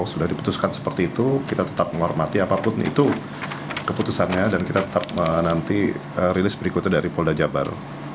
sudah diputuskan seperti itu kita tetap menghormati apapun itu keputusannya dan kita tetap menanti rilis berikutnya dari polda jabar